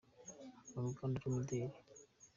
mu ruganda rw’imideli.